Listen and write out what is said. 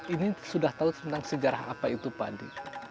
ini sudah tahu tentang sejarah apa itu padi